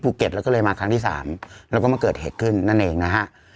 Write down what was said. แล้วก็เลยมาครั้งที่สามแล้วก็มาเกิดเหตุขึ้นนั่นเองนะฮะ